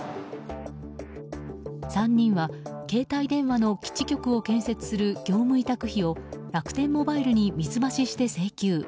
３人は携帯電話の基地局を建設する業務委託費を楽天モバイルに水増しして請求。